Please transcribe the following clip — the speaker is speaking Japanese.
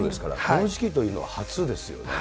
この時期というのは初ですよね。